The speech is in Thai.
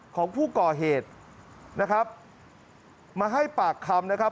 ของผู้ก่อเหตุนะครับมาให้ปากคำนะครับ